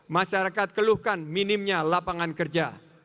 masyarakat keluhkan minimnya lapangan kerja